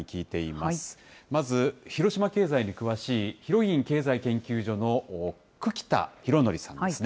まず広島経済に詳しいひろぎん経済研究所の久木田浩紀さんですね。